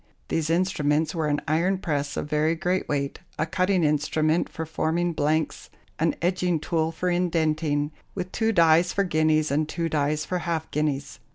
These instruments were an iron press of very great weight, a cutting instrument for forming blanks, an edging tool for indenting, with two dies for guineas and two dies for half guineas.